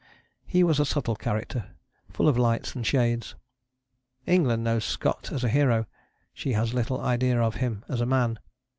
His was a subtle character, full of lights and shades. England knows Scott as a hero; she has little idea of him as a man.